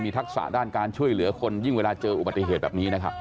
ทักษะด้านการช่วยเหลือคนยิ่งเวลาเจออุบัติเหตุแบบนี้นะครับ